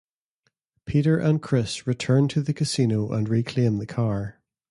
Peter and Chris return to the casino and reclaim the car.